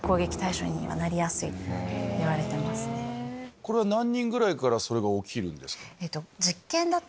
これは何人ぐらいからそれが起きるんですか？